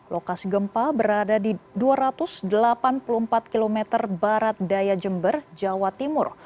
lokasi gempa berada di dua ratus delapan puluh empat km barat daya jember jawa timur